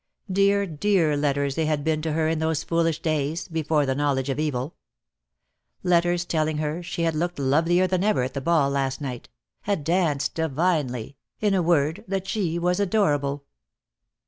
Dear, dear letters they had been to her in those foolish days, before the knowledge of evil. Letters telling her she had looked lovelier than ever at the ball last night — had danced divinely — in a word that she was adorable.